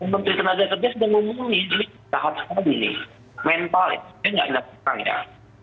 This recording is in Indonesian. menteri tenaga kerja sedang mengumumi ini tahap hal ini mental ini tidak ada pertanyaan